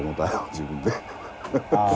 自分で。